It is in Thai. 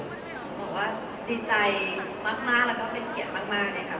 เจ๋งบอกว่าดีใจมากแล้วก็เป็นเกียรติมากเลยค่ะ